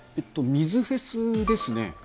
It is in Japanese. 水フェスですね。